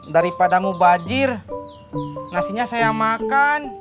daripada mu bajir nasinya saya makan